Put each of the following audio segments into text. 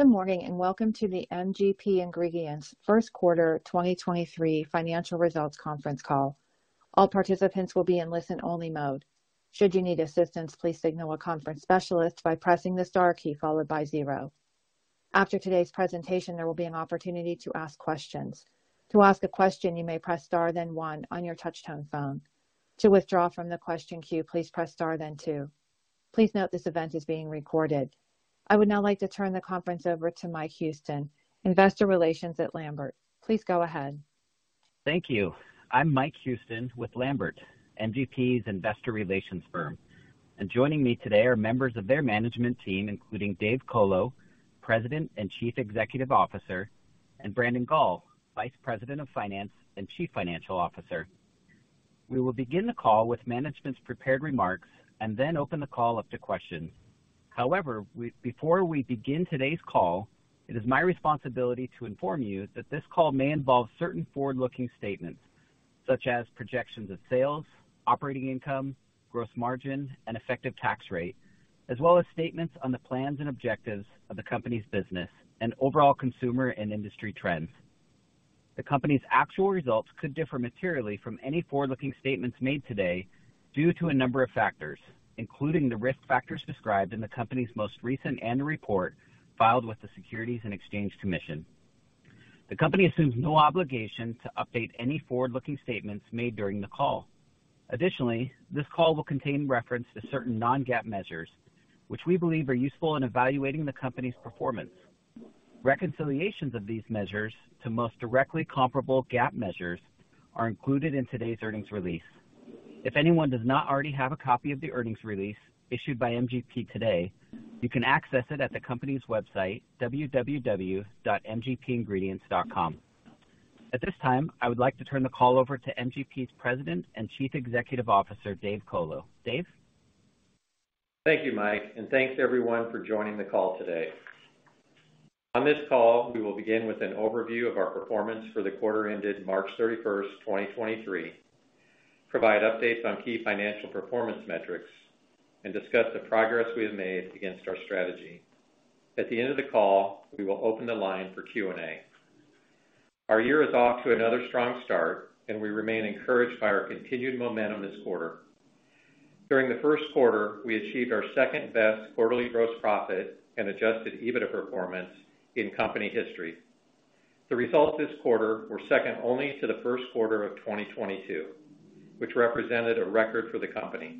Good morning, and welcome to the MGP Ingredients first quarter 2023 financial results conference call. All participants will be in listen-only mode. Should you need assistance, please signal a conference specialist by pressing the star key followed by zero. After today's presentation, there will be an opportunity to ask questions. To ask a question, you may press star then one on your touchtone phone. To withdraw from the question queue, please press star then two. Please note this event is being recorded. I would now like to turn the conference over to Mike Houston, Investor Relations at Lambert. Please go ahead. Thank you. I'm Mike Houston with Lambert, MGP's Investor Relations firm. Joining me today are members of their management team, including Dave Colo, President and Chief Executive Officer, and Brandon Gall, Vice President of Finance and Chief Financial Officer. We will begin the call with management's prepared remarks and then open the call up to questions. However, before we begin today's call, it is my responsibility to inform you that this call may involve certain forward-looking statements such as projections of sales, operating income, gross margin, and effective tax rate, as well as statements on the plans and objectives of the company's business and overall consumer and industry trends. The company's actual results could differ materially from any forward-looking statements made today due to a number of factors, including the risk factors described in the company's most recent annual report filed with the Securities and Exchange Commission. The company assumes no obligation to update any forward-looking statements made during the call. Additionally, this call will contain reference to certain non-GAAP measures, which we believe are useful in evaluating the company's performance. Reconciliations of these measures to most directly comparable GAAP measures are included in today's earnings release. If anyone does not already have a copy of the earnings release issued by MGP today, you can access it at the company's website, www.mgpingredients.com. At this time, I would like to turn the call over to MGP's President and Chief Executive Officer, Dave Colo. Dave? Thank you, Mike. Thanks everyone for joining the call today. On this call, we will begin with an overview of our performance for the quarter ended March 31st, 2023, provide updates on key financial performance metrics, and discuss the progress we have made against our strategy. At the end of the call, we will open the line for Q&A. Our year is off to another strong start, and we remain encouraged by our continued momentum this quarter. During the first quarter, we achieved our second-best quarterly gross profit and adjusted EBITDA performance in company history. The results this quarter were second only to the first quarter of 2022, which represented a record for the company.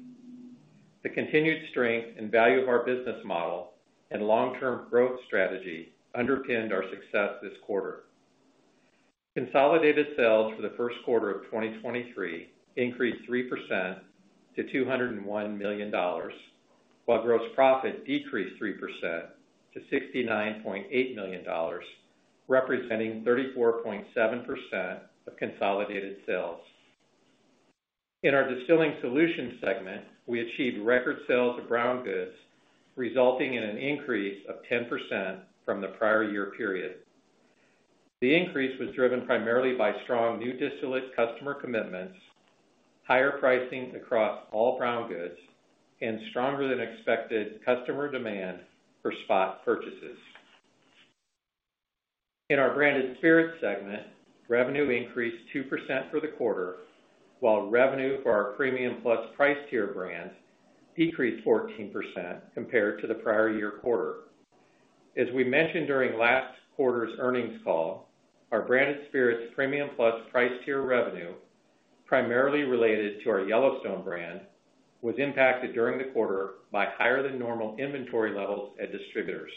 The continued strength and value of our business model and long-term growth strategy underpinned our success this quarter. Consolidated sales for the first quarter of 2023 increased 3% to $201 million, while gross profit decreased 3% to $69.8 million, representing 34.7% of consolidated sales. In our Distilling Solutions segment, we achieved record sales of brown goods, resulting in an increase of 10% from the prior year period. The increase was driven primarily by strong new distillate customer commitments, higher pricing across all brown goods, and stronger than expected customer demand for spot purchases. In our Branded Spirits segment, revenue increased 2% for the quarter, while revenue for our Premium Plus price tier brands decreased 14% compared to the prior year quarter. As we mentioned during last quarter's earnings call, our Branded Spirits Premium Plus price tier revenue, primarily related to our Yellowstone brand, was impacted during the quarter by higher than normal inventory levels at distributors.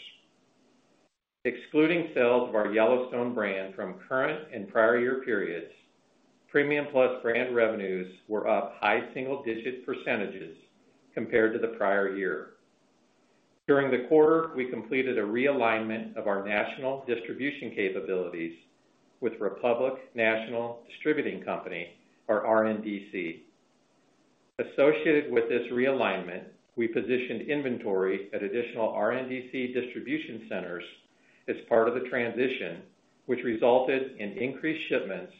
Excluding sales of our Yellowstone brand from current and prior year periods, Premium Plus brand revenues were up high single digit percentage compared to the prior year. During the quarter, we completed a realignment of our national distribution capabilities with Republic National Distributing Company or RNDC. Associated with this realignment, we positioned inventory at additional RNDC distribution centers as part of the transition, which resulted in increased shipments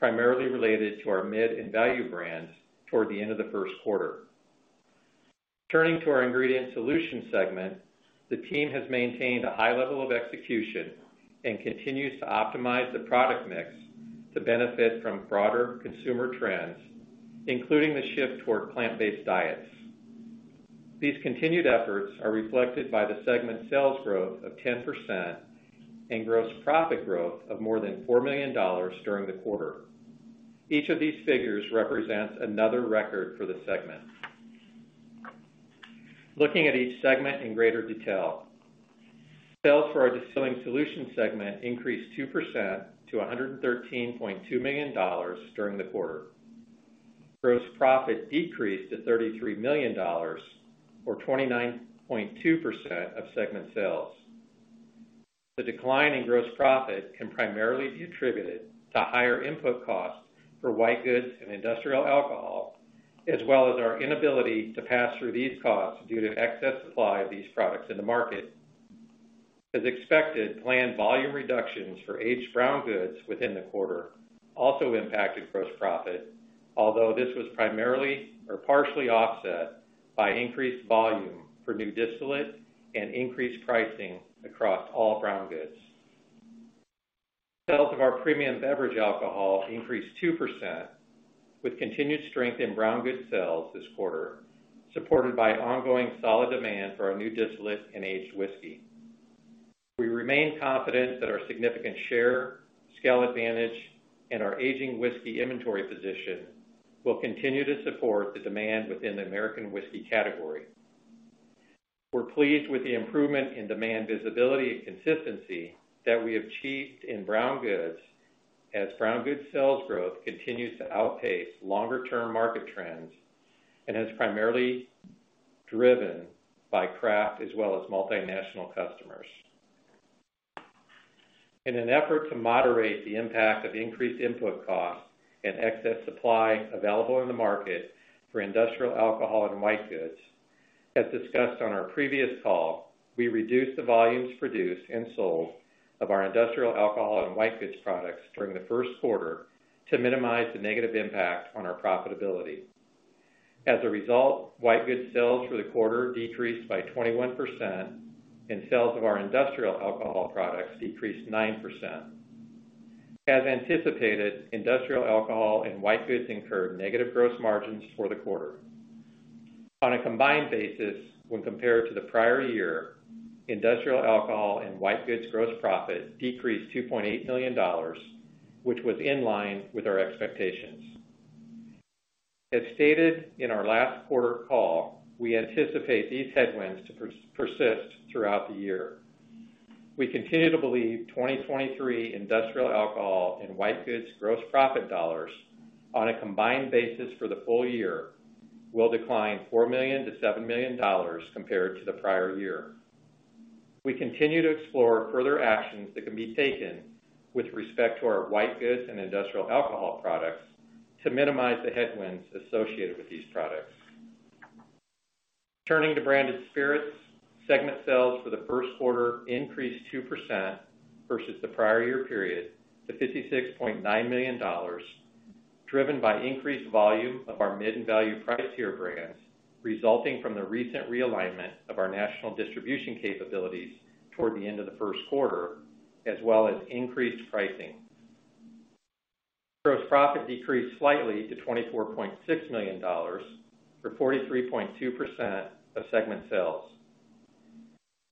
primarily related to our mid and value brands toward the end of the first quarter. Turning to our Ingredient Solutions segment, the team has maintained a high level of execution and continues to optimize the product mix to benefit from broader consumer trends, including the shift toward plant-based diets. These continued efforts are reflected by the segment's sales growth of 10% and gross profit growth of more than $4 million during the quarter. Each of these figures represents another record for the segment. Looking at each segment in greater detail. Sales for our Distilling Solutions segment increased 2% to $113.2 million during the quarter. Gross profit decreased to $33 million or 29.2% of segment sales. The decline in gross profit can primarily be attributed to higher input costs for white goods and industrial alcohol, as well as our inability to pass through these costs due to excess supply of these products in the market. As expected, planned volume reductions for aged brown goods within the quarter also impacted gross profit, although this was primarily or partially offset by increased volume for new distillate and increased pricing across all brown goods. Sales of our premium beverage alcohol increased 2% with continued strength in brown goods sales this quarter, supported by ongoing solid demand for our new distillate and aged whiskey. We remain confident that our significant share, scale advantage, and our aging whiskey inventory position will continue to support the demand within the American whiskey category. We're pleased with the improvement in demand visibility and consistency that we achieved in brown goods as brown goods sales growth continues to outpace longer-term market trends and is primarily driven by craft as well as multinational customers. In an effort to moderate the impact of increased input costs and excess supply available in the market for industrial alcohol and white goods, as discussed on our previous call, we reduced the volumes produced and sold of our industrial alcohol and white goods products during the first quarter to minimize the negative impact on our profitability. As a result, white goods sales for the quarter decreased by 21%, and sales of our industrial alcohol products decreased 9%. As anticipated, industrial alcohol and white goods incurred negative gross margins for the quarter. On a combined basis, when compared to the prior year, industrial alcohol and white goods gross profit decreased $2.8 million, which was in line with our expectations. As stated in our last quarter call, we anticipate these headwinds to persist throughout the year. We continue to believe 2023 industrial alcohol and white goods gross profit dollars on a combined basis for the full year will decline $4 million-$7 million compared to the prior year. We continue to explore further actions that can be taken with respect to our white goods and industrial alcohol products to minimize the headwinds associated with these products. Turning to Branded Spirits, segment sales for the first quarter increased 2% versus the prior year period to $56.9 million, driven by increased volume of our mid-and value price tier brands, resulting from the recent realignment of our national distribution capabilities toward the end of the first quarter, as well as increased pricing. Gross profit decreased slightly to $24.6 million for 43.2% of segment sales.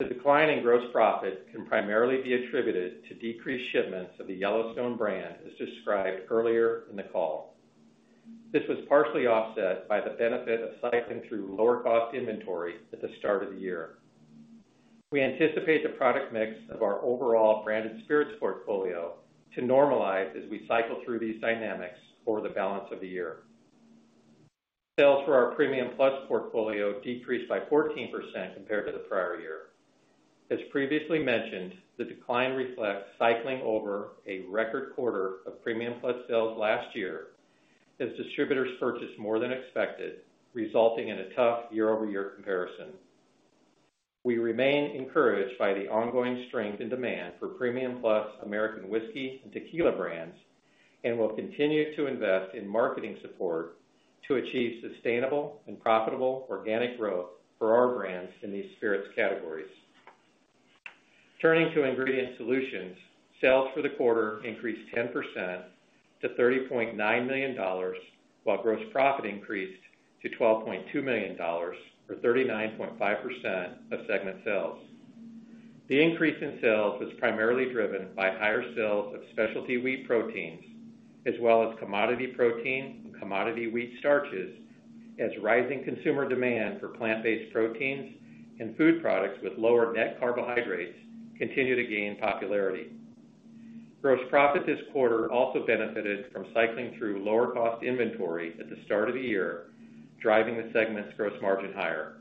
The decline in gross profit can primarily be attributed to decreased shipments of the Yellowstone brand, as described earlier in the call. This was partially offset by the benefit of cycling through lower cost inventory at the start of the year. We anticipate the product mix of our overall Branded Spirits portfolio to normalize as we cycle through these dynamics over the balance of the year. Sales for our Premium Plus portfolio decreased by 14% compared to the prior year. As previously mentioned, the decline reflects cycling over a record quarter of Premium Plus sales last year as distributors purchased more than expected, resulting in a tough year-over-year comparison. We remain encouraged by the ongoing strength and demand for Premium Plus American Whiskey and Tequila brands and will continue to invest in marketing support to achieve sustainable and profitable organic growth for our brands in these spirits categories. Turning to Ingredient Solutions, sales for the quarter increased 10% to $30.9 million, while gross profit increased to $12.2 million, or 39.5% of segment sales. The increase in sales was primarily driven by higher sales of specialty wheat proteins as well as commodity proteins and commodity wheat starches, as rising consumer demand for plant-based proteins and food products with lower net carbohydrates continue to gain popularity. Gross profit this quarter also benefited from cycling through lower cost inventory at the start of the year, driving the segment's gross margin higher.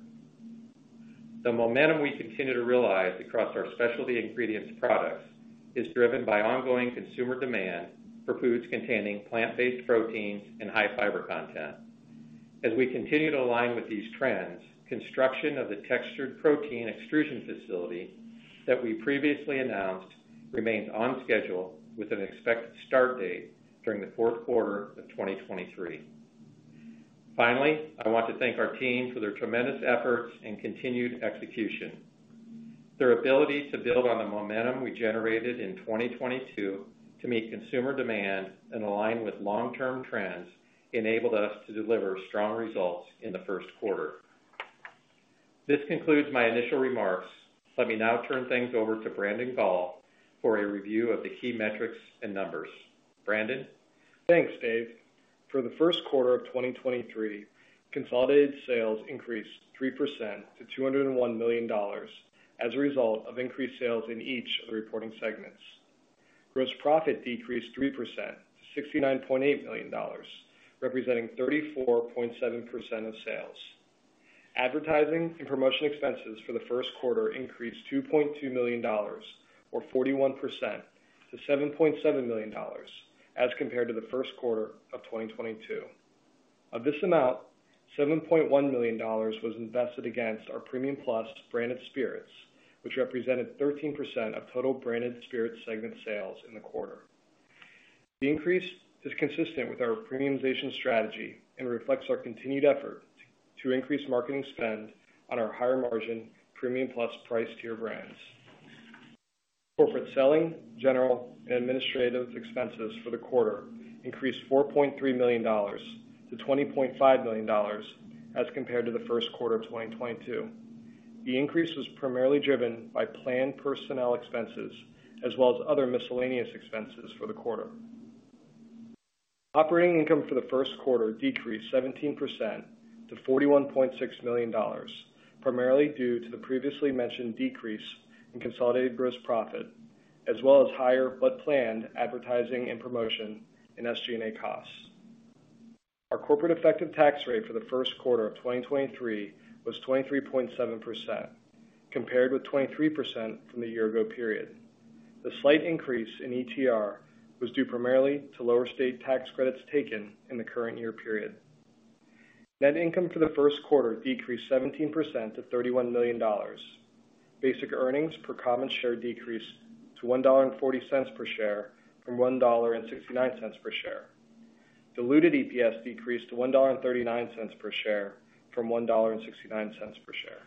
The momentum we continue to realize across our specialty ingredients products is driven by ongoing consumer demand for foods containing plant-based proteins and high fiber content. As we continue to align with these trends, construction of the textured protein extrusion facility that we previously announced remains on schedule with an expected start date during the fourth quarter of 2023. Finally, I want to thank our team for their tremendous efforts and continued execution. Their ability to build on the momentum we generated in 2022 to meet consumer demand and align with long-term trends enabled us to deliver strong results in the first quarter. This concludes my initial remarks. Let me now turn things over to Brandon Gall for a review of the key metrics and numbers. Brandon? Thanks, Dave. For the first quarter of 2023, consolidated sales increased 3% to $201 million as a result of increased sales in each of the reporting segments. Gross profit decreased 3% to $69.8 million, representing 34.7% of sales. Advertising and promotion expenses for the first quarter increased $2.2 million or 41% to $7.7 million as compared to the first quarter of 2022. Of this amount, $7.1 million was invested against our Premium Plus Branded Spirits, which represented 13% of total Branded Spirits segment sales in the quarter. The increase is consistent with our premiumization strategy and reflects our continued effort to increase marketing spend on our higher margin Premium Plus price tier brands. Corporate selling, general, and administrative expenses for the quarter increased $4.3 million to $20.5 million as compared to the first quarter of 2022. The increase was primarily driven by planned personnel expenses as well as other miscellaneous expenses for the quarter. Operating income for the first quarter decreased 17% to $41.6 million, primarily due to the previously mentioned decrease in consolidated gross profit as well as higher but planned advertising and promotion in SG&A costs. Our corporate effective tax rate for the first quarter of 2023 was 23.7% compared with 23% from the year ago period. The slight increase in ETR was due primarily to lower state tax credits taken in the current year period. Net income for the first quarter decreased 17% to $31 million. Basic earnings per common share decreased to $1.40 per share from $1.69 per share. Diluted EPS decreased to $1.39 per share from $1.69 per share.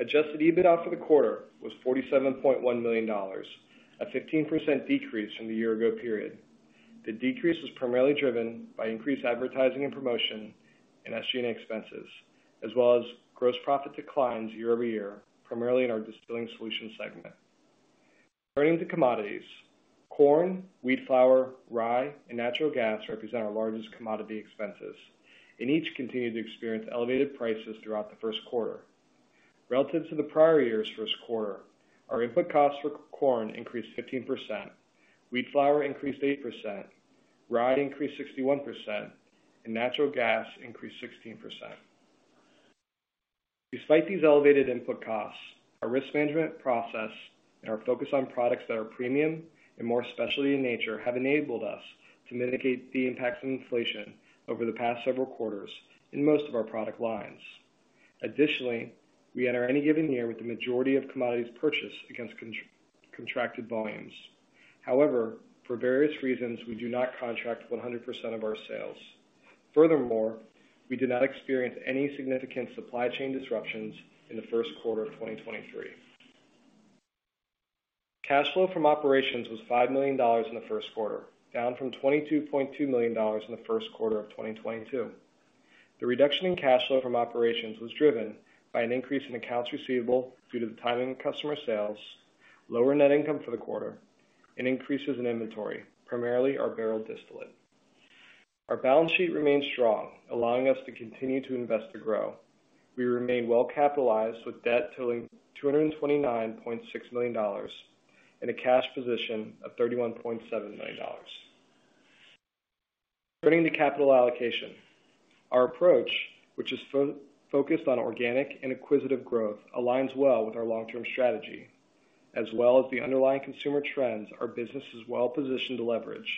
Adjusted EBITDA for the quarter was $47.1 million, a 15% decrease from the year-ago period. The decrease was primarily driven by increased advertising and promotion in SG&A expenses, as well as gross profit declines year-over-year, primarily in our Distilling Solutions segment. Turning to commodities, corn, wheat flour, rye, and natural gas represent our largest commodity expenses, and each continued to experience elevated prices throughout the first quarter. Relative to the prior year's first quarter, our input costs for corn increased 15%, wheat flour increased 8%, rye increased 61%, and natural gas increased 16%. Despite these elevated input costs, our risk management process and our focus on products that are premium and more specialty in nature have enabled us to mitigate the impacts of inflation over the past several quarters in most of our product lines. We enter any given year with the majority of commodities purchased against con-contracted volumes. For various reasons, we do not contract 100% of our sales. We did not experience any significant supply chain disruptions in the first quarter of 2023. Cash flow from operations was $5 million in the first quarter, down from $22.2 million in the first quarter of 2022. The reduction in cash flow from operations was driven by an increase in accounts receivable due to the timing of customer sales, lower net income for the quarter, and increases in inventory, primarily our barrel distillate. Our balance sheet remains strong, allowing us to continue to invest to grow. We remain well-capitalized with debt totaling $229.6 million and a cash position of $31.7 million. Turning to capital allocation. Our approach, which is focused on organic and acquisitive growth, aligns well with our long-term strategy, as well as the underlying consumer trends our business is well positioned to leverage.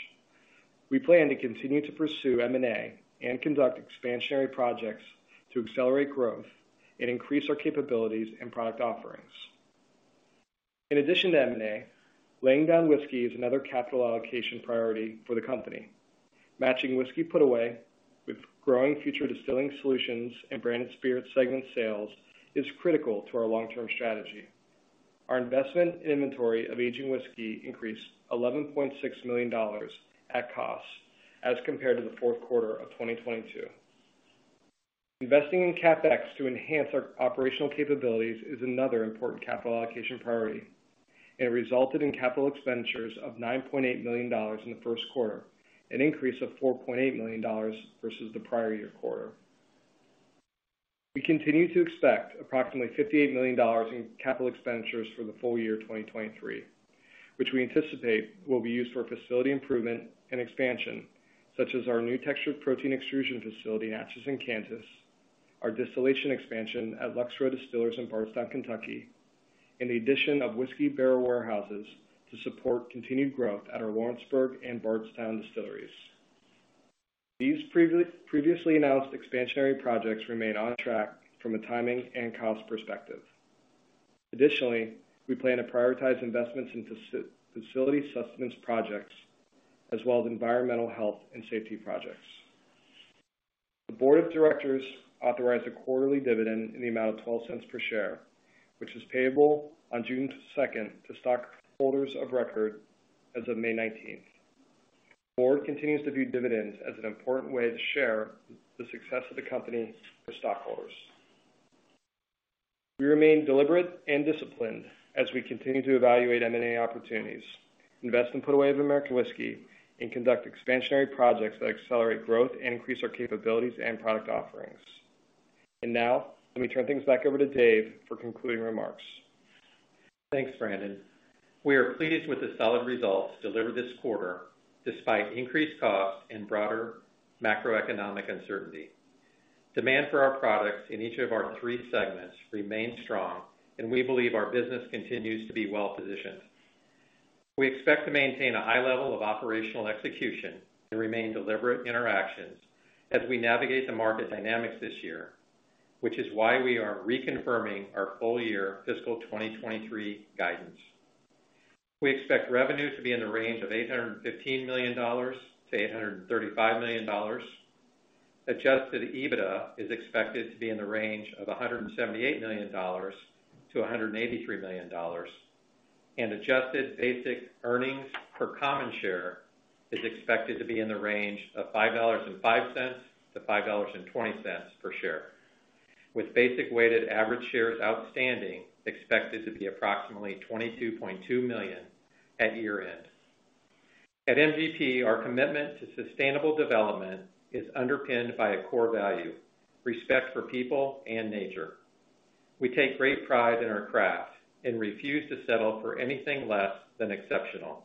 We plan to continue to pursue M&A and conduct expansionary projects to accelerate growth and increase our capabilities and product offerings. In addition to M&A, laying down whiskey is another capital allocation priority for the company. Matching whiskey put away with growing future Distilling Solutions and Branded Spirits segment sales is critical to our long-term strategy. Our investment in inventory of aging whiskey increased $11.6 million at cost as compared to the fourth quarter of 2022. Investing in CapEx to enhance our operational capabilities is another important capital allocation priority. It resulted in capital expenditures of $9.8 million in the first quarter, an increase of $4.8 million versus the prior year quarter. We continue to expect approximately $58 million in capital expenditures for the full year 2023, which we anticipate will be used for facility improvement and expansion, such as our new textured protein extrusion facility in Atchison, Kansas, our distillation expansion at Lux Row Distillers in Bardstown, Kentucky, and the addition of whiskey barrel warehouses to support continued growth at our Lawrenceburg and Bardstown distilleries. These previously announced expansionary projects remain on track from a timing and cost perspective. Additionally, we plan to prioritize investments into facility sustenance projects as well as environmental health and safety projects. The board of directors authorized a quarterly dividend in the amount of $0.12 per share, which is payable on June 2nd to stockholders of record as of May 19th. The board continues to view dividends as an important way to share the success of the company with stockholders. We remain deliberate and disciplined as we continue to evaluate M&A opportunities, invest in put away of American whiskey, and conduct expansionary projects that accelerate growth and increase our capabilities and product offerings. Now, let me turn things back over to Dave for concluding remarks. Thanks, Brandon. We are pleased with the solid results delivered this quarter despite increased costs and broader macroeconomic uncertainty. Demand for our products in each of our three segments remains strong, and we believe our business continues to be well positioned. We expect to maintain a high level of operational execution and remain deliberate in our actions as we navigate the market dynamics this year. This is why we are reconfirming our full year fiscal 2023 guidance. We expect revenue to be in the range of $815 million-$835 million. Adjusted EBITDA is expected to be in the range of $178 million-$183 million. Adjusted basic earnings per common share is expected to be in the range of $5.05-$5.20 per share, with basic weighted average shares outstanding expected to be approximately 22.2 million at year-end. At MGP, our commitment to sustainable development is underpinned by a core value, respect for people and nature. We take great pride in our craft and refuse to settle for anything less than exceptional,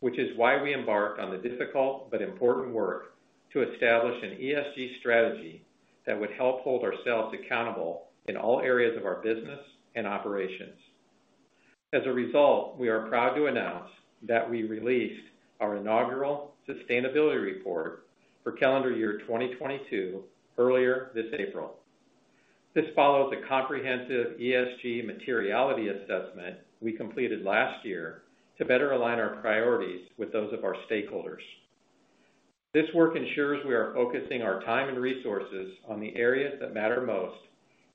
which is why we embarked on the difficult but important work to establish an ESG strategy that would help hold ourselves accountable in all areas of our business and operations. As a result, we are proud to announce that we released our inaugural sustainability report for calendar year 2022 earlier this April. This follows a comprehensive ESG materiality assessment we completed last year to better align our priorities with those of our stakeholders. This work ensures we are focusing our time and resources on the areas that matter most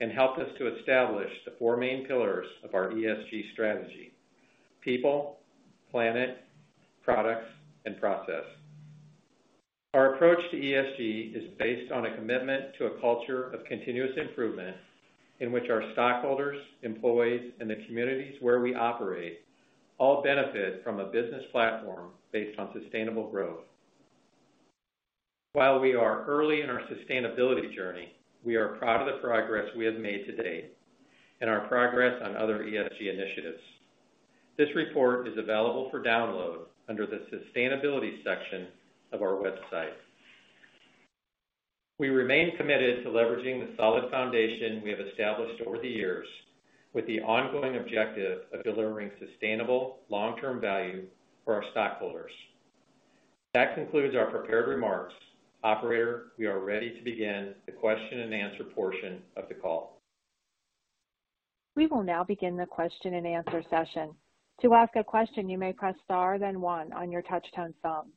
and helped us to establish the four main pillars of our ESG strategy: people, planet, products, and process. Our approach to ESG is based on a commitment to a culture of continuous improvement in which our stockholders, employees, and the communities where we operate all benefit from a business platform based on sustainable growth. While we are early in our sustainability journey, we are proud of the progress we have made to date and our progress on other ESG initiatives. This report is available for download under the Sustainability section of our website. We remain committed to leveraging the solid foundation we have established over the years with the ongoing objective of delivering sustainable long-term value for our stockholders. That concludes our prepared remarks. Operator, we are ready to begin the question-and-answer portion of the call. We will now begin the question-and-answer session. To ask a question, you may press star, then one on your touchtone phone.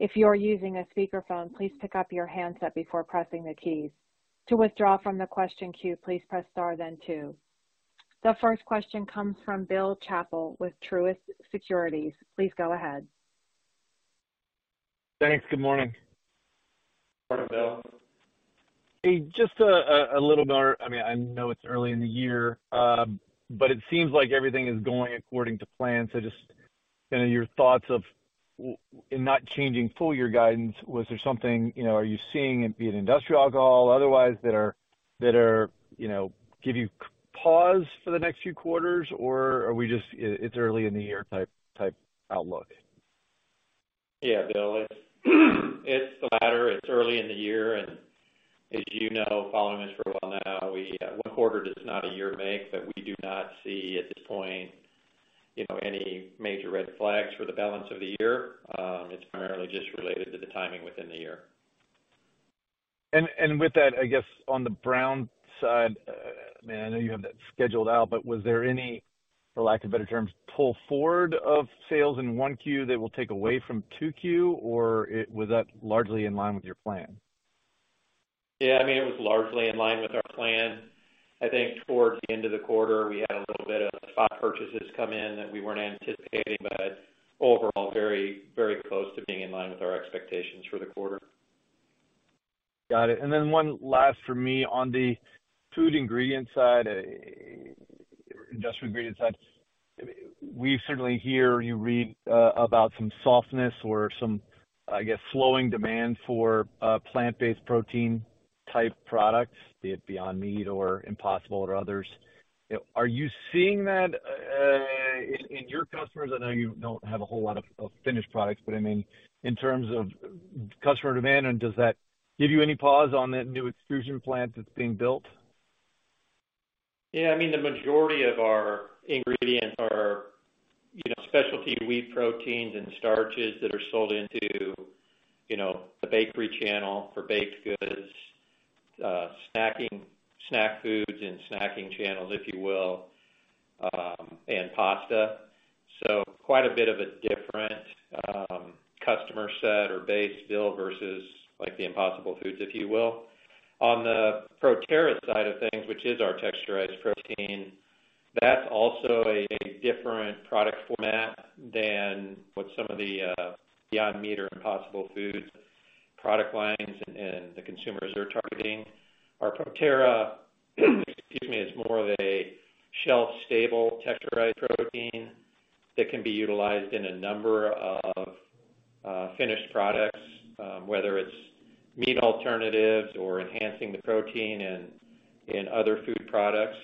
If you are using a speakerphone, please pick up your handset before pressing the keys. To withdraw from the question queue, please press star then two. The first question comes from Bill Chappell with Truist Securities. Please go ahead. Thanks. Good morning. Morning, Bill. Hey, just a little more. I mean, I know it's early in the year, but it seems like everything is going according to plan. Just kind of your thoughts of in not changing full year guidance, was there something, you know, are you seeing be it industrial alcohol otherwise that are, you know, give you pause for the next few quarters or are we just it's early in the year type outlook? Yeah, Bill, it's the latter. It's early in the year, as you know, following this for a while now, we one quarter does not a year make, but we do not see at this point, you know, any major red flags for the balance of the year. It's primarily just related to the timing within the year. With that, I guess on the Brown side, I mean, I know you have that scheduled out, but was there any, for lack of better terms, pull forward of sales in 1Q that will take away from 2Q, or it was that largely in line with your plan? Yeah, I mean, it was largely in line with our plan. I think towards the end of the quarter we had a little bit of spot purchases come in that we weren't anticipating, but overall very, very close to being in line with our expectations for the quarter. Got it. One last for me. On the food ingredient side, industrial ingredient side, we certainly hear you read about some softness or some, I guess, slowing demand for plant-based protein type products, be it Beyond Meat or Impossible or others. Are you seeing that in your customers? I know you don't have a whole lot of finished products, but I mean in terms of customer demand and does that give you any pause on that new extrusion plant that's being built? Yeah, I mean, the majority of our ingredients are, you know, specialty wheat proteins and starches that are sold into, you know, the bakery channel for baked goods, snacking, snack foods and snacking channels, if you will, and pasta. Quite a bit of a different customer set or base still versus like the Impossible Foods, if you will. On the ProTerra side of things, which is our textured protein, that's also a different product format than what some of the Beyond Meat or Impossible Foods product lines and the consumers they're targeting. Our ProTerra, excuse me, is more of a shelf-stable textured protein that can be utilized in a number of finished products, whether it's meat alternatives or enhancing the protein in other food products.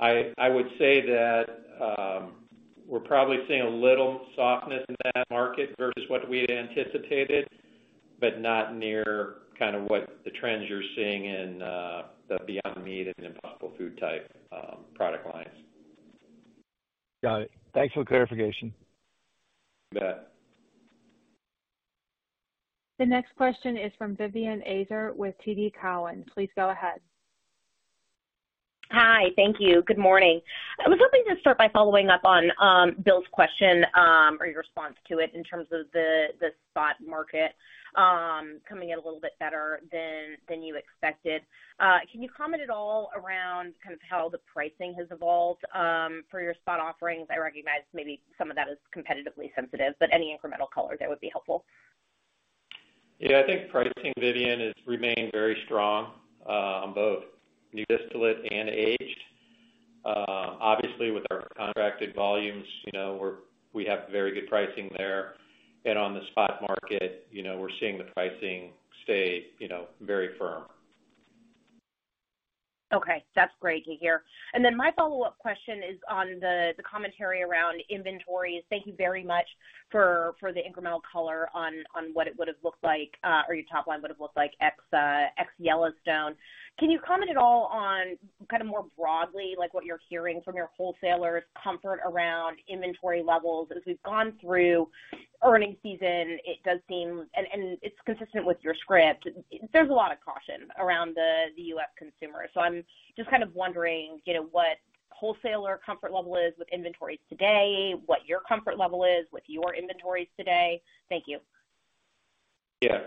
I would say that, we're probably seeing a little softness in that market versus what we'd anticipated, but not near kind of what the trends you're seeing in, the Beyond Meat and Impossible Food type, product lines. Got it. Thanks for the clarification. You bet. The next question is from Vivien Azer with TD Cowen. Please go ahead. Hi. Thank you. Good morning. I was hoping to start by following up on Bill's question or your response to it in terms of the spot market coming in a little bit better than you expected. Can you comment at all around kind of how the pricing has evolved for your spot offerings? I recognize maybe some of that is competitively sensitive. Any incremental color there would be helpful. Yeah. I think pricing, Vivien, has remained very strong on both new distillate and aged. Obviously with our contracted volumes, you know, we have very good pricing there. On the spot market, you know, we're seeing the pricing stay, you know, very firm. Okay. That's great to hear. My follow-up question is on the commentary around inventories. Thank you very much for the incremental color on what it would have looked like, or your top line would have looked like ex Yellowstone. Can you comment at all on kind of more broadly, like what you're hearing from your wholesalers' comfort around inventory levels? As we've gone through earning season, it does seem. It's consistent with your script. There's a lot of caution around the U.S. consumer. I'm just kind of wondering, you know, what wholesaler comfort level is with inventories today, what your comfort level is with your inventories today. Thank you. Yeah.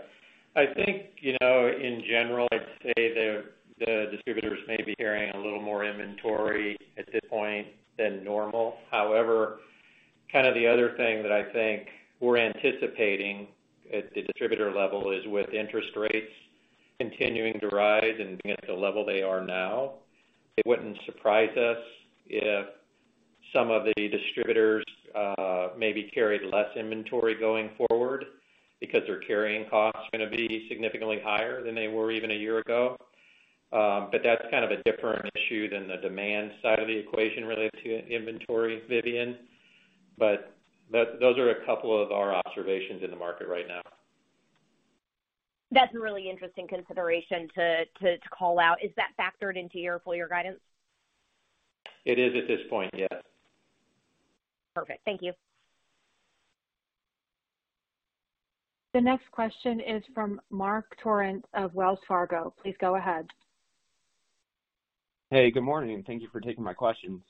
I think, you know, in general, I'd say the distributors may be carrying a little more inventory at this point than normal. However, kind of the other thing that I think we're anticipating at the distributor level is with interest rates continuing to rise and being at the level they are now, it wouldn't surprise us if some of the distributors maybe carried less inventory going forward because their carrying costs are gonna be significantly higher than they were even a year ago. That's kind of a different issue than the demand side of the equation related to inventory, Vivien. Those are a couple of our observations in the market right now. That's a really interesting consideration to call out. Is that factored into your full year guidance? It is at this point, yes. Perfect. Thank you. The next question is from Marc Torrente of Wells Fargo. Please go ahead. Hey, good morning, and thank you for taking my questions.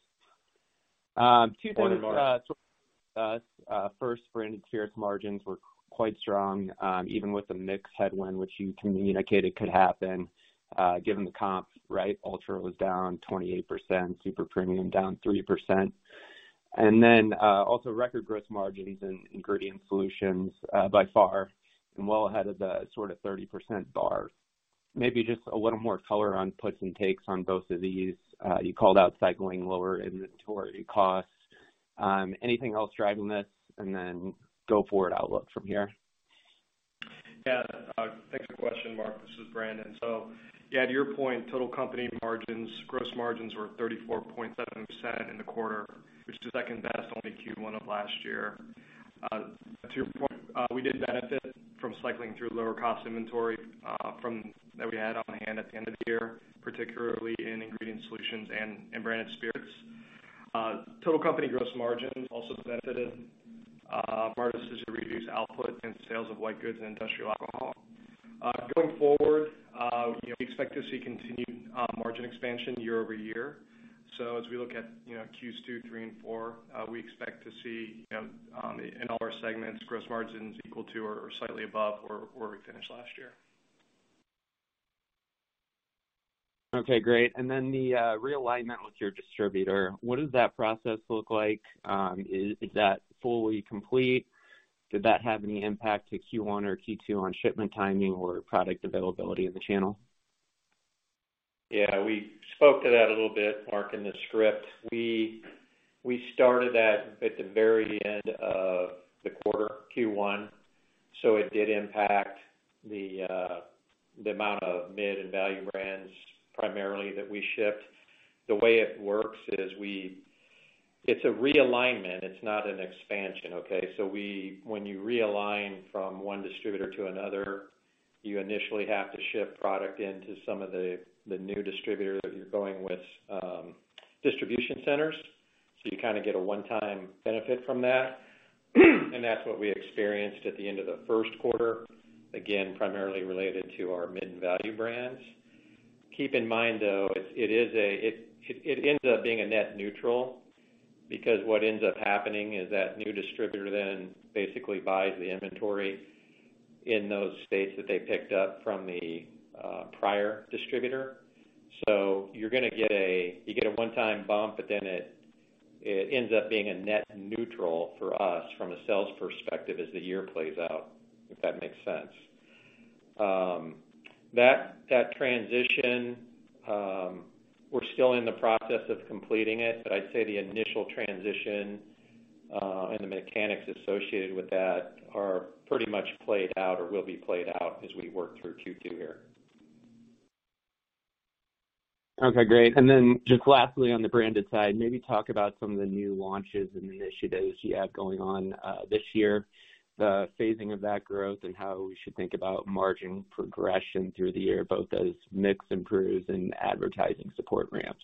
Two things. Good morning, Marc. First, Branded Spirits margins were quite strong, even with the mix headwind, which you communicated could happen, given the comps, right? Ultra-premium was down 28%, super premium down 3%. Also record gross margins in Ingredient Solutions, by far and well ahead of the sort of 30% bar. Maybe just a little more color on puts and takes on both of these. You called out cycling lower inventory costs. Anything else driving this? Go forward outlook from here. Thanks for the question, Marc. This is Brandon. To your point, total company margins, gross margins were 34.7% in the quarter, which is second best only Q1 of last year. To your point, we did benefit from cycling through lower cost inventory that we had on hand at the end of the year, particularly in Ingredient Solutions and branded spirits. Total company gross margins also benefited, part of this is to reduce output and sales of white goods and industrial alcohol. Going forward, we expect to see continued margin expansion year-over-year. As we look at, you know, Q2, three, and four, we expect to see, you know, in all our segments, gross margins equal to or slightly above where we finished last year. Okay, great. The realignment with your distributor, what does that process look like? Is that fully complete? Did that have any impact to Q1 or Q2 on shipment timing or product availability in the channel? We spoke to that a little bit, Marc, in the script. We started that at the very end of the quarter, Q1, it did impact the amount of mid and value brands primarily that we shipped. The way it works is it's a realignment. It's not an expansion, okay? When you realign from one distributor to another, you initially have to ship product into some of the new distributor that you're going with, distribution centers. You kinda get a one-time benefit from that. That's what we experienced at the end of the first quarter, again, primarily related to our mid and value brands. Keep in mind, though, it ends up being a net neutral because what ends up happening is that new distributor then basically buys the inventory in those states that they picked up from the prior distributor. You're gonna get a one-time bump, but then it ends up being a net neutral for us from a sales perspective as the year plays out, if that makes sense. That transition, we're still in the process of completing it, but I'd say the initial transition and the mechanics associated with that are pretty much played out or will be played out as we work through Q2 here. Okay, great. Just lastly, on the branded side, maybe talk about some of the new launches and initiatives you have going on, this year, the phasing of that growth, and how we should think about margin progression through the year, both as mix improves and advertising support ramps.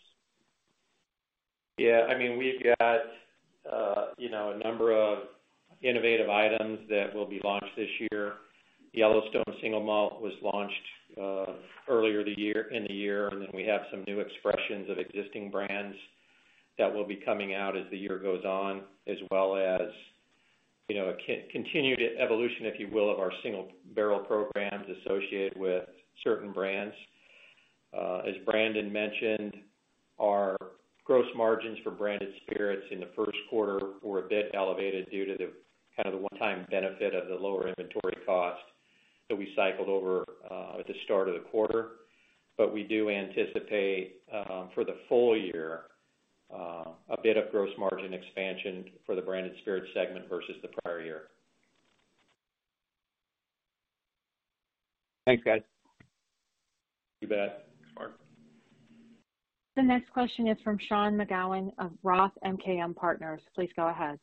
Yeah, I mean, we've got, you know, a number of innovative items that will be launched this year. Yellowstone Single Malt was launched earlier in the year, and then we have some new expressions of existing brands that will be coming out as the year goes on, as well as, you know, a continued evolution, if you will, of our single barrel programs associated with certain brands. As Brandon mentioned, our gross margins for branded spirits in the first quarter were a bit elevated due to the kind of the one-time benefit of the lower inventory costs that we cycled over at the start of the quarter. We do anticipate for the full year a bit of gross margin expansion for the Branded Spirits segment versus the prior year. Thanks, guys. You bet. Thanks, Marc. The next question is from Sean McGowan of ROTH MKM Partners. Please go ahead.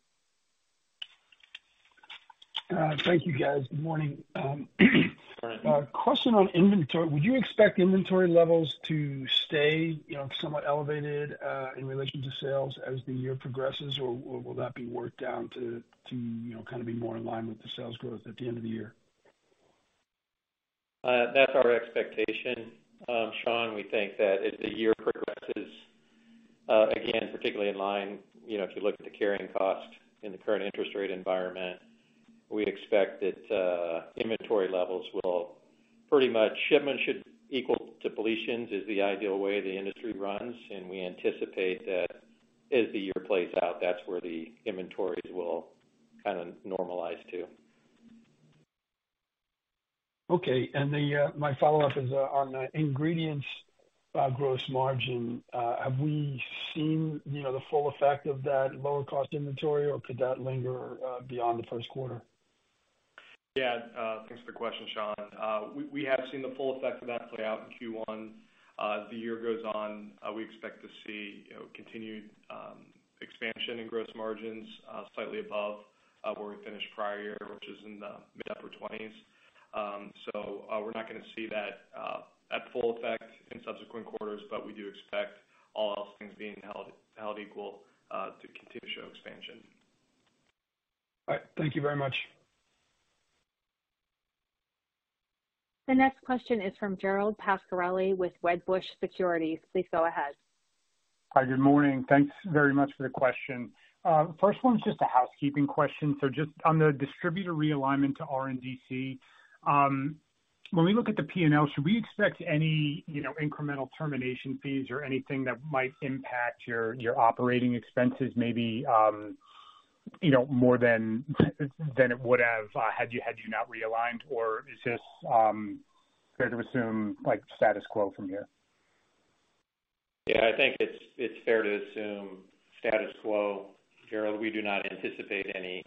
Thank you, guys. Good morning. Good morning. Question on inventory. Would you expect inventory levels to stay, you know, somewhat elevated in relation to sales as the year progresses? Will that be worked down to, you know, kinda be more in line with the sales growth at the end of the year? That's our expectation. Sean, we think that as the year progresses, again, particularly in line, you know, if you look at the carrying cost in the current interest rate environment, we expect that inventory levels will pretty much. Shipments should equal depletions, is the ideal way the industry runs, and we anticipate that as the year plays out, that's where the inventories will kinda normalize to. Okay. The my follow-up is on the ingredients gross margin. Have we seen, you know, the full effect of that lower cost inventory or could that linger beyond the first quarter? Thanks for the question, Sean. We, we have seen the full effect of that play out in Q1. As the year goes on, we expect to see, you know, continued expansion in gross margins, slightly above, where we finished prior year, which is in the mid-upper 20s%. We're not gonna see that, at full effect in subsequent quarters, but we do expect all else things being held equal, to continue to show expansion. All right. Thank you very much. The next question is from Gerald Pascarelli with Wedbush Securities. Please go ahead. Hi, good morning. Thanks very much for the question. First one is just a housekeeping question. Just on the distributor realignment to RNDC, when we look at the P&L, should we expect any, you know, incremental termination fees or anything that might impact your operating expenses, maybe, you know, more than it would have had you not realigned? Or is this fair to assume, like, status quo from here? Yeah, I think it's fair to assume status quo, Gerald. We do not anticipate any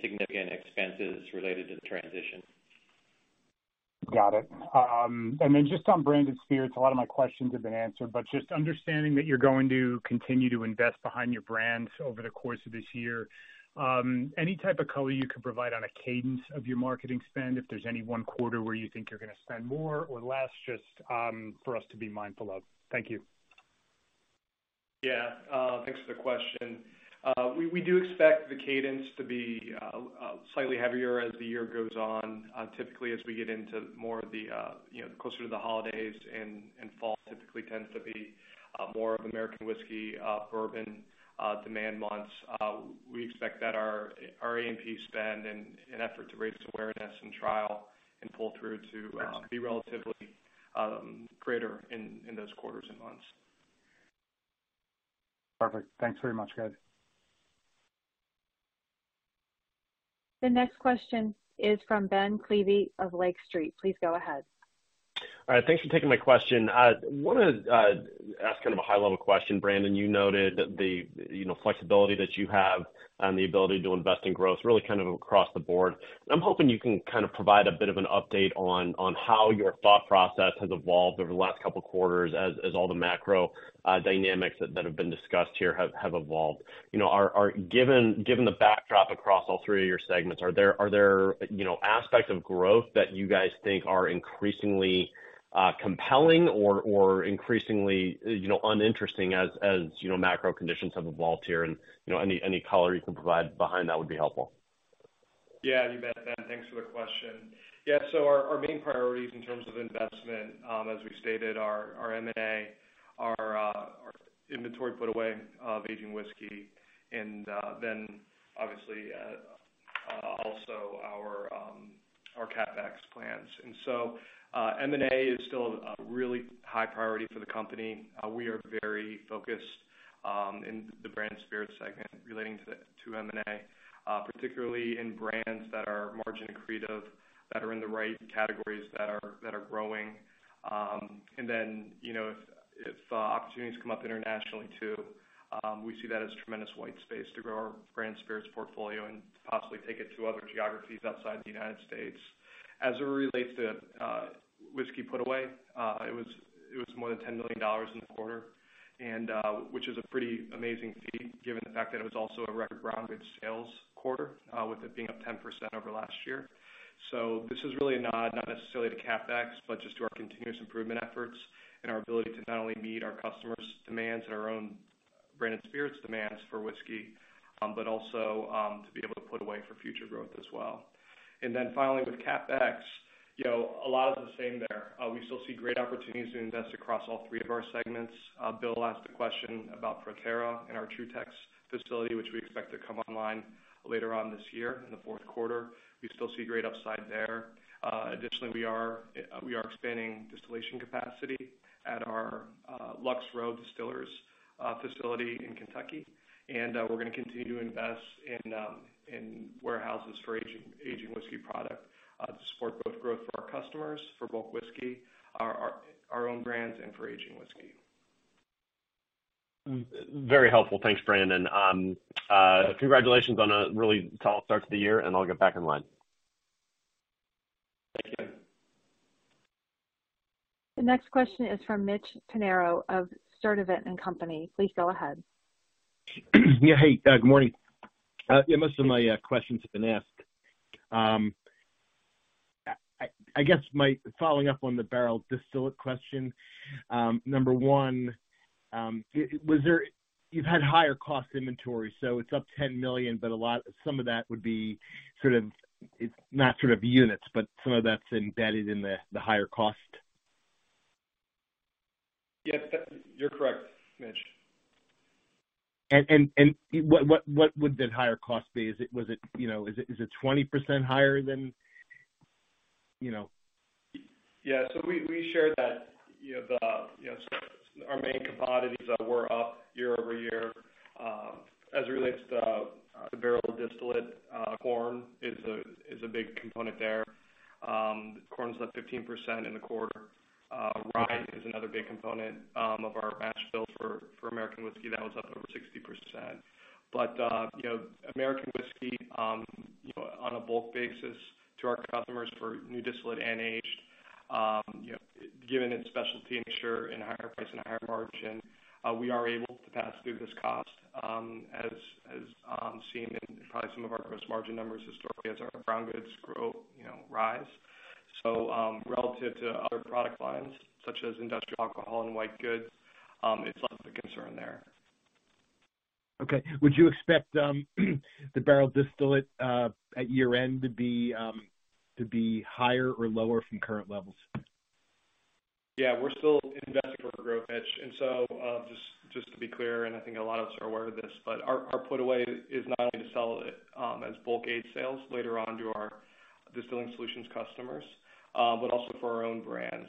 significant expenses related to the transition. Got it. Just on Branded Spirits, a lot of my questions have been answered, but just understanding that you're going to continue to invest behind your brands over the course of this year, any type of color you could provide on a cadence of your marketing spend, if there's any one quarter where you think you're gonna spend more or less, just for us to be mindful of. Thank you. Yeah. Thanks for the question. We do expect the cadence to be slightly heavier as the year goes on. Typically, as we get into more of the, you know, closer to the holidays and fall typically tends to be more of American whiskey, bourbon demand months, we expect that our A&P spend and an effort to raise awareness and trial and pull through to be relatively greater in those quarters and months. Perfect. Thanks very much, guys. The next question is from Ben Klieve of Lake Street. Please go ahead. All right. Thanks for taking my question. Wanna ask kind of a high-level question. Brandon, you noted the, you know, flexibility that you have and the ability to invest in growth really kind of across the board. I'm hoping you can kind of provide a bit of an update on how your thought process has evolved over the last couple of quarters as all the macro dynamics that have been discussed here have evolved. You know, Given the backdrop across all three of your segments, are there, you know, aspects of growth that you guys think are increasingly compelling or increasingly, you know, uninteresting as, you know, macro conditions have evolved here? You know, any color you can provide behind that would be helpful. Yeah, you bet, Ben. Thanks for the question. Yeah. Our main priorities in terms of investment, as we stated, are M&A, are inventory put away of aged whiskey, and then obviously, also our CapEx plans. M&A is still a really high priority for the company. We are very focused in the Branded Spirits segment relating to M&A, particularly in brands that are margin accretive, that are in the right categories that are growing. You know, if opportunities come up internationally too, we see that as tremendous white space to grow our Branded Spirits portfolio and possibly take it to other geographies outside the United States. As it relates to whiskey put away, it was more than $10 million in the quarter, which is a pretty amazing feat given the fact that it was also a record brown goods sales quarter, with it being up 10% over last year. This is really a nod, not necessarily to CapEx, but just to our continuous improvement efforts and our ability to not only meet our customers' demands and our own Branded Spirits demands for whiskey, but also to be able to put away for future growth as well. Finally, with CapEx, you know, a lot of the same there. We still see great opportunities to invest across all three of our segments. Bill asked a question about ProTerra and our TruTex facility, which we expect to come online later on this year in the fourth quarter. We still see great upside there. Additionally, we are expanding distillation capacity at our Lux Row Distillers facility in Kentucky. We're gonna continue to invest in warehouses for aging whiskey product to support both growth for our customers for bulk whiskey, our own brands and for aging whiskey. Very helpful. Thanks, Brandon. Congratulations on a really solid start to the year. I'll get back in line. Thank you. The next question is from Mitch Pinheiro of Sturdivant & Company. Please go ahead. Yeah. Hey, Doug, morning. Yeah, most of my questions have been asked. I guess my following up on the barrel distillate question, number one, was there? You've had higher cost inventory, it's up $10 million, but some of that would be not sort of units, but some of that's embedded in the higher cost. Yes, you're correct, Mitch. What would that higher cost be? Is it, you know, is it 20% higher than, you know? Yeah. We, we shared that, you know, the, you know, so our main commodities that were up year-over-year, as it relates to the barrel distillate, corn is a big component there. Corn's up 15% in the quarter. Rye is another big component of our mash bill for American Whiskey. That was up over 60%. You know, American Whiskey, on a bulk basis to our customers for new distillate and aged, you know, given its specialty nature and higher price and higher margin, we are able to pass through this cost, as seen in probably some of our gross margin numbers historically as our raw goods grow, you know, rise. Relative to other product lines, such as industrial alcohol and white goods, it's less of a concern there. Okay. Would you expect the barrel distillate at year-end to be higher or lower from current levels? Yeah. We're still investing for growth, Mitch. Just to be clear, and I think a lot of us are aware of this, but our put away is not only to sell, as bulk sales later on to our Distilling Solutions customers, but also for our own brands.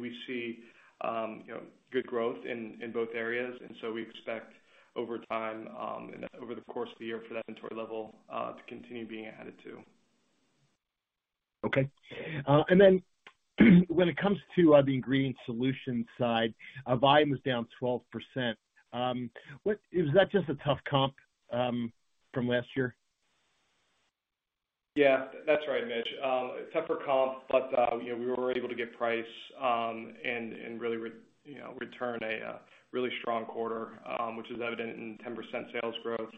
We see, you know, good growth in both areas. We expect over time, and over the course of the year for that inventory level to continue being added to. Okay. When it comes to the Ingredient Solutions side, volume is down 12%. Is that just a tough comp from last year? Yeah, that's right, Mitch. Tougher comp, but you know, we were able to get price and really you know, return a really strong quarter, which is evident in 10% sales growth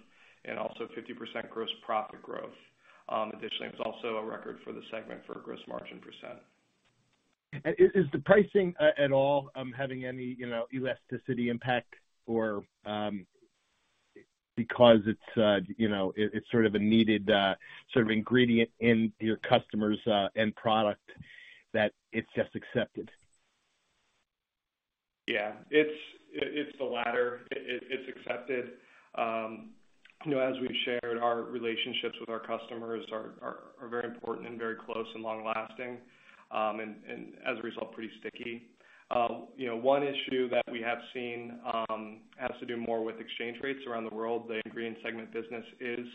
and also 50% gross profit growth. Additionally, it was also a record for the segment for a gross margin %. Is the pricing at all having any, you know, elasticity impact or because it's, you know, it's sort of a needed sort of ingredient in your customers end product that it's just accepted? Yeah. It's the latter. It's accepted. You know, as we've shared, our relationships with our customers are very important and very close and long lasting, and as a result, pretty sticky. You know, one issue that we have seen has to do more with exchange rates around the world. The Ingredients segment business is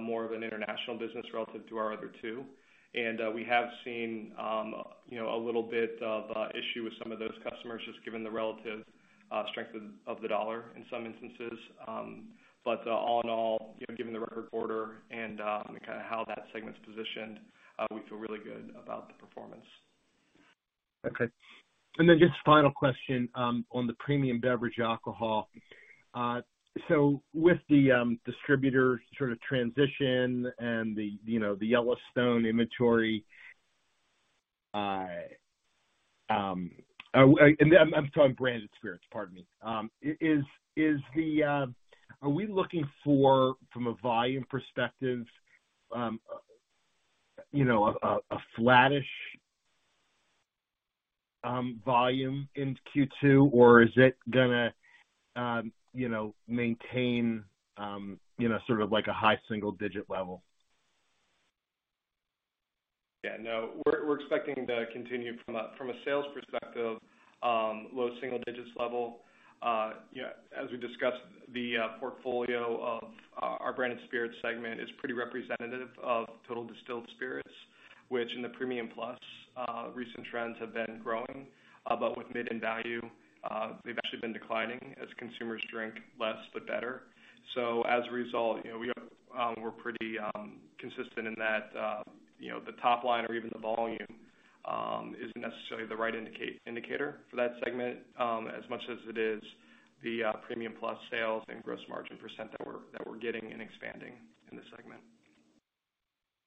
more of an international business relative to our other two. We have seen, you know, a little bit of issue with some of those customers, just given the relative strength of the dollar in some instances. All in all, you know, given the record quarter and kinda how that segment's positioned, we feel really good about the performance. Okay. Just final question, on the premium beverage alcohol. With the distributor sort of transition and the, you know, the Yellowstone inventory. I'm talking Branded Spirits, pardon me. Are we looking for, from a volume perspective, you know, a flattish volume in Q2, or is it gonna, you know, maintain, you know, sort of like a high single digit level? No. We're expecting to continue from a sales perspective, low single digits level. As we discussed, the portfolio of our Branded Spirits segment is pretty representative of total distilled spirits, which in the Premium Plus, recent trends have been growing. With mid and value, they've actually been declining as consumers drink less but better. As a result, you know, we are pretty consistent in that, you know, the top line or even the volume isn't necessarily the right indicator for that segment, as much as it is the Premium Plus sales and gross margin % that we're getting and expanding in the segment.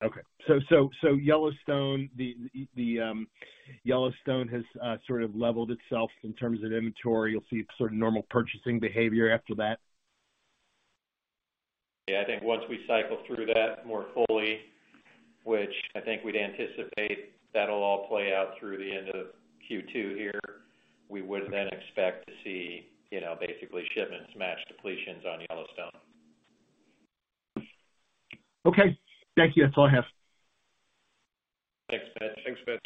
Okay. so Yellowstone, the Yellowstone has sort of leveled itself in terms of inventory. You'll see sort of normal purchasing behavior after that? I think once we cycle through that more fully, which I think we'd anticipate that'll all play out through the end of Q2 here, we would then expect to see, you know, basically shipments match depletions on Yellowstone. Okay. Thank you. That's all I have. Thanks, Mitch.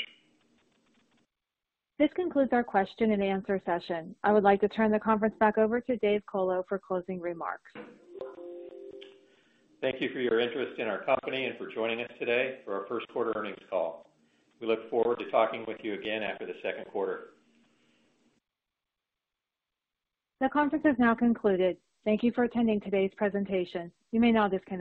This concludes our question and answer session. I would like to turn the conference back over to Dave Colo for closing remarks. Thank you for your interest in our company and for joining us today for our first quarter earnings call. We look forward to talking with you again after the second quarter. The conference has now concluded. Thank you for attending today's presentation. You may now disconnect.